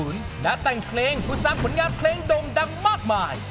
และแต่งเพลงผู้สร้างผลงานเพลงโด่งดังมากมาย